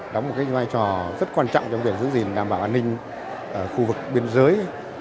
đóng một vai trò rất quan trọng trong việc giữ gìn đảm bảo an ninh khu vực biên giới